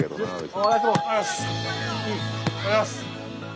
ありがとうございます！